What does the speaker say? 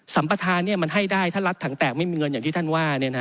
ัมปทานมันให้ได้ถ้ารัฐถังแตกไม่มีเงินอย่างที่ท่านว่า